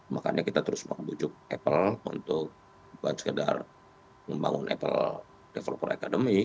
makanya kita terus membujuk apple untuk bukan sekedar membangun apple developer academy